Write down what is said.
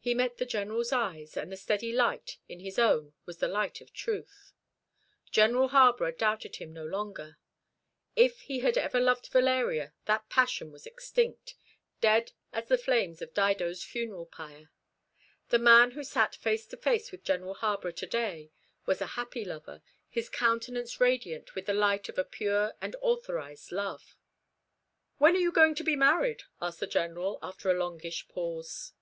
He met the General's eyes, and the steady light in his own was the light of truth. General Harborough doubted him no longer. If he had ever loved Valeria, that passion was extinct, dead as the flames of Dido's funeral pyre. The man who sat face to face with General Harborough to day was a happy lover, his countenance radiant with the light of a pure and authorised love. "When are you going to be married?" asked the General, after a longish pause.